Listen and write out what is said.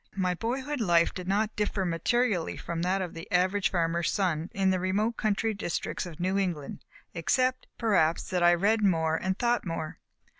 My boyhood life did not differ materially from that of the average farmer's son in the remote country districts of New England except, perhaps, that I read more and thought more.